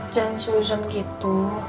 dan susun gitu